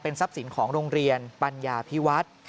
ทรัพย์สินของโรงเรียนปัญญาพิวัฒน์